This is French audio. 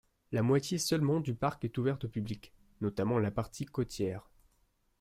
La moitié seulement du parc est ouverte au public, notamment la partie côtière.